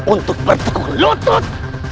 untuk bertukuk lutut